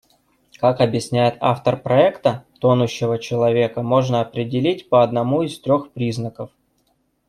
Как объясняет автор проекта, тонущего человека можно определить по одному из трёх признаков.